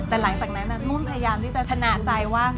แต่หลังจากนั้นนุ่นพยายามที่จะชนะใจว่า